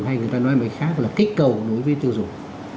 hay người ta nói một cách khác là kích cầu đối với tiêu dùng